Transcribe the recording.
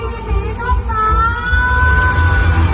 มันเป็นเมื่อไหร่แล้ว